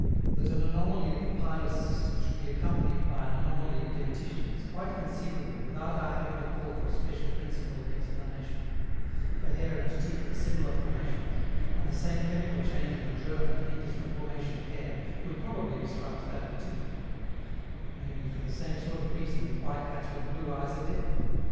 That an anomaly of the pilous system should be accompanied by an anomaly of dentition is quite conceivable without our having to call for a special principle of explanation; for hair and teeth are similar formations, and the same chemical change of the germ that hinders the formation of hair would probably obstruct that of teeth: it may be for the same sort of reason that white cats with blue eyes are deaf.